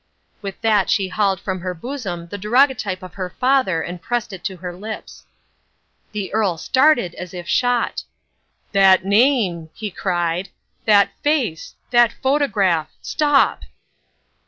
With that she hauled from her bosom the daguerreotype of her father and pressed it to her lips. The earl started as if shot. "That name!" he cried, "that face! that photograph! stop!"